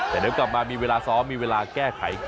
แต่เดี๋ยวกลับมามีเวลาซ้อมมีเวลาแก้ไข